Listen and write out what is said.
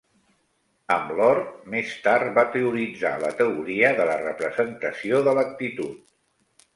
Amb Lord, més tard va teoritzar la teoria de la representació de l'actitud.